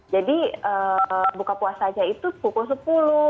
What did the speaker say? jadi buka puasa aja itu pukul sepuluh